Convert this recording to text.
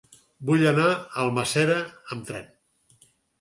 Vull anar a Almàssera amb tren.